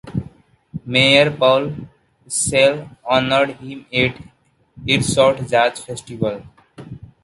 Mayor Paul Schell honored him at Earshot Jazz Festival.